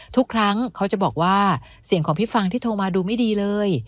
ทุกครั้งเขาจะบอกว่าเสียงของพี่ฟังที่โทรมาดูไม่ดีเลย